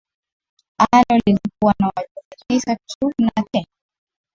alo lilikuwa na wajumbe tisa tu na tena